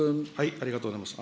ありがとうございます。